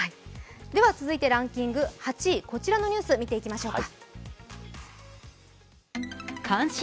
続いてランキング８位、こちらのニュースを見ていきましょう。